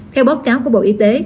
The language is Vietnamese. theo báo cáo của bộ y tế